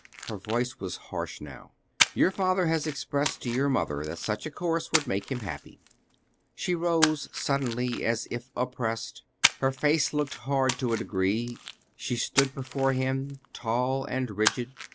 her voice was harsh now. "Your father has expressed to your mother that such a course would make him happy." She rose suddenly as if oppressed. Her face looked hard to a degree. She stood before him, tall and rigid.